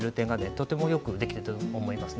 とてもよくできたと思いますよ。